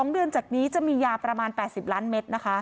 ๒เดือนจากนี้จะมียาประมาณ๘๐ล้านเมตรนะคะ